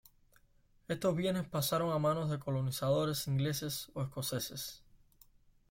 Estos bienes pasaron a manos de colonizadores ingleses o escoceses.